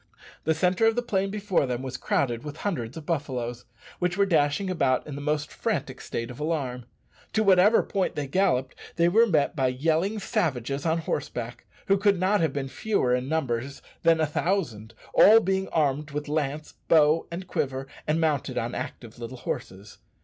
The centre of the plain before them was crowded with hundreds of buffaloes, which were dashing about in the most frantic state of alarm. To whatever point they galloped they were met by yelling savages on horseback, who could not have been fewer in numbers than a thousand, all being armed with lance, bow, and quiver, and mounted on active little horses.